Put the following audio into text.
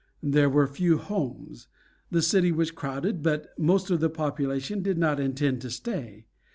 There were few homes. The city was crowded; but most of the population did not intend to stay.